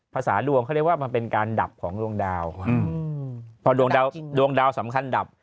ภาษาดวงเขาเรียกว่ามันเป็นการดับของดวงดาวพอดวงดาวดวงดาวสำคัญดับ